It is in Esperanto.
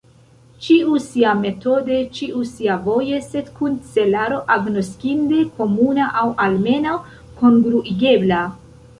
Ĉiu siametode, ĉiu siavoje, sed kun celaro agnoskinde komuna, aŭ almenaŭ kongruigebla.